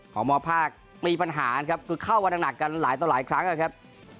ของมอภาคมีปัญหานะครับก็เข้ามาหนักหนักกันหลายต่อหลายครั้งค่ะครับ